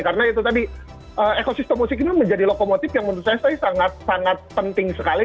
karena itu tadi ekosistem musik ini menjadi lokomotif yang menurut saya sangat sangat penting sekali